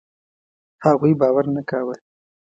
هغوی باور نه کاوه.